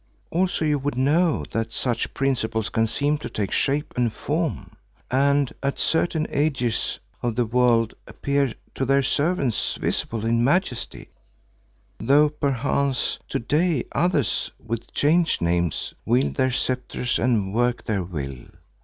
Also you would know that such Principles can seem to take shape and form and at certain ages of the world appear to their servants visible in majesty, though perchance to day others with changed names wield their sceptres and work their will.